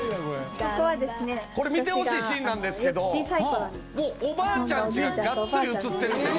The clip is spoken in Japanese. これ見てほしいシーンなんですけどもうおばあちゃんちがガッツリ映ってるんです。